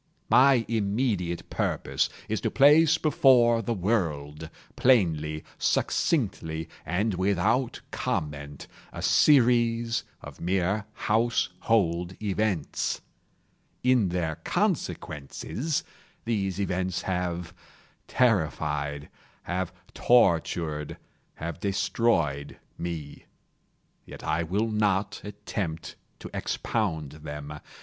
My immediate purpose is to place before the world, plainly, succinctly, and without comment, a series of mere household events. In their consequences, these events have terrified—have tortured—have destroyed me. Yet I will not attempt to expound them.